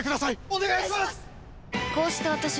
お願いします！